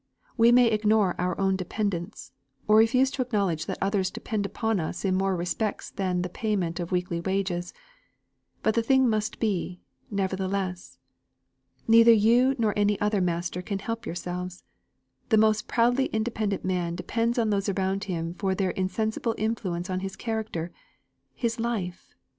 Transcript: We may ignore our own dependence, or refuse to acknowledge that others depend upon us in more respects than the payment of weekly wages; but the thing must be, nevertheless. Neither you nor any other master can help yourselves. The most proudly independent man depends on those around him for their insensible influence on his character his life.